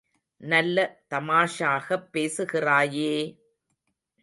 நல்ல தமாஷாகப் பேசுகிறயே!